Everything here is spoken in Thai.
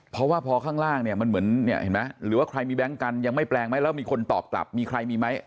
เพราะว่าพอข้างล่างเนี่ยมันเหมือนเนี่ยเห็นไหมหรือว่าใครมีแบงค์กันยังไม่แปลงไหมแล้วมีคนตอบกลับมีใครมีไหม